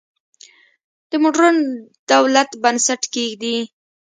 د موډرن دولت بنسټ کېږدي.